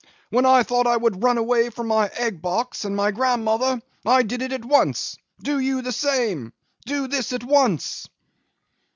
When I thought I would run away from my egg box and my grandmother, I did it at once. Do you the same. Do this at once!